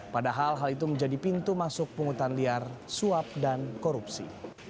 padahal hal itu menjadi pintu masuk pungutan liar suap dan korupsi